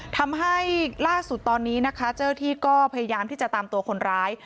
ทำให้ล่าสุดตอนนี้นะคะเจ้าที่ก็พยายามที่จะตามตัวคนร้าย